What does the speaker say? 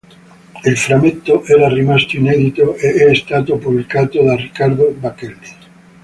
Il "Frammento" era rimasto inedito e è stato pubblicato da Riccardo Bacchelli.